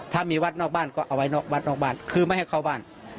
ถ้ามีวัดนอกบ้านก็เอาไว้นอกวัดนอกบ้านคือไม่ให้เข้าบ้าน